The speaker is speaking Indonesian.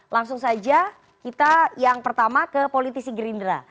langsung saja kita yang pertama ke politisi gerindra